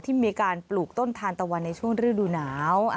ที่มีการปลูกต้นทานตะวันในช่วงฤดูหนาว